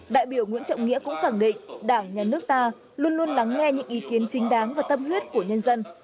đại biểu nguyễn trọng nghĩa cũng khẳng định đảng nhà nước ta luôn luôn lắng nghe những ý kiến chính đáng và tâm huyết của nhân dân